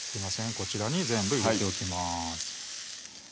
こちらに全部入れておきます